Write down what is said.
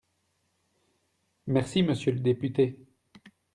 Merci, monsieur le député